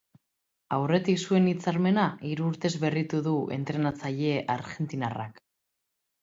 Aurretik zuen hitzarmena hiru urtez berritu du entrenatzaile argentinarrak.